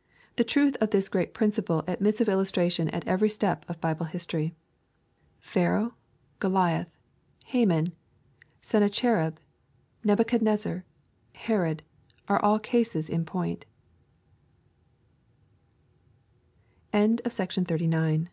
] The truth of this great princi ple admits of illustration at every step of Bible history. Pharaoh, Qoliah, Haman, Sennacherib, Nebuchadnezzar, Herod, are all cases in point LUKE XVm.